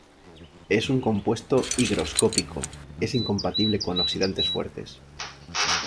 Es un compuesto higroscópico, es incompatible con oxidantes fuertes.